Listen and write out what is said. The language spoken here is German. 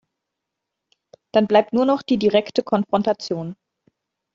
Dann bleibt nur noch die direkte Konfrontation.